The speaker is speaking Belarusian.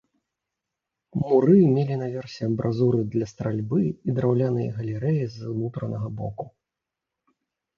Муры мелі на версе амбразуры для стральбы і драўляныя галерэі з унутранага боку.